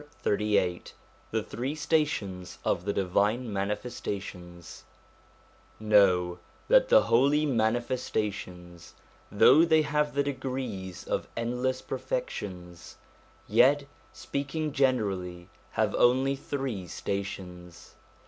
I XXXVIII THE THREE STATIONS OF THE DIVINE MANIFESTATIONS KNOW that the Holy Manifestations, though they have the degrees of endless perfections, yet, speaking generally, have only three stations.